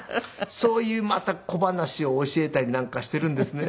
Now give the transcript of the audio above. そういうまた小噺を教えたりなんかしているんですね。